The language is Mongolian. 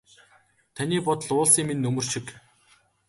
Таны бодол уулсын минь нөмөр шиг.